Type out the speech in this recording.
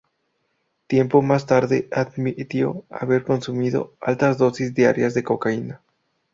Tiempo más tarde admitió haber consumido altas dosis diarias de cocaína.